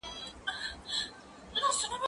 که وخت وي، سیر کوم،